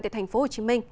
tại thành phố hồ chí minh